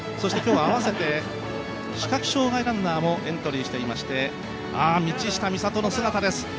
今日合わせて視覚障がいランナーもエントリーしてまして道下美里の姿です。